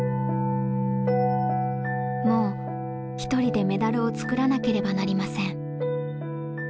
もう一人でメダルを作らなければなりません。